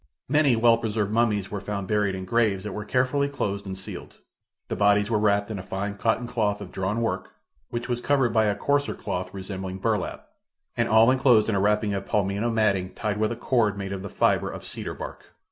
Many well preserved mummies were found buried in graves that were carefully closed and sealed. The bodies were wrapped in a fine cotton cloth of drawn work, which was covered by a coarser cloth resembling burlap, and all inclosed in a wrapping of palmillo matting tied with a cord made of the fiber of cedar bark.